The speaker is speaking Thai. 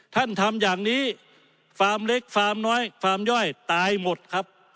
ทำอย่างนี้ฟาร์มเล็กฟาร์มน้อยฟาร์มย่อยตายหมดครับ